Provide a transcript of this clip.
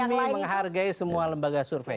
kami menghargai semua lembaga survei